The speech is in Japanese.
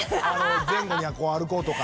前後にこう歩こうとか。